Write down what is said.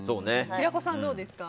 平子さん、どうですか？